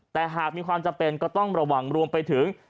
แต่หากมีความจำเป็นก็ต้องระวังรวมไปถึง